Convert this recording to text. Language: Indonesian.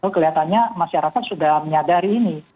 kelihatannya masyarakat sudah menyadari ini